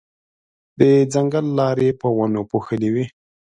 د ځنګل لارې په ونو پوښلې وې.